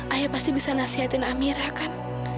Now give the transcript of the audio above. ayah pasti bisa nasihatin amirah kan